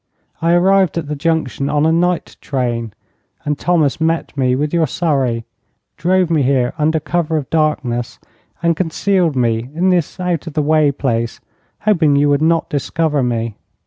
I arrived at the Junction on a night train, and Thomas met me with your surrey, drove me here under cover of darkness, and concealed me in this out of the way place, hoping you would not discover me.